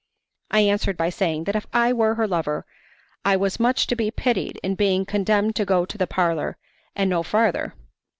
I answered by saying that if I were her lover I was much to be pitied in being condemned to go to the parlour, and no farther.